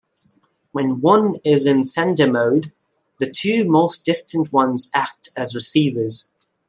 When one is in sender mode, the two most distant ones act as receivers.